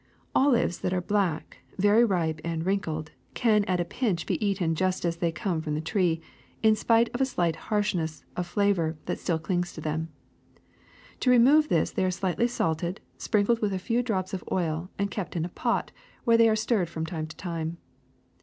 '' 0 lives that are black, very ripe, and wrinkled, can at a pinch be eaten just as they come from the tree, in spite of a slight harshness of flavor that still clings to them. To remove this they are slightly salted, sprinkled with a few drops of oil, and kept in a pot, where they are stirred from time to time.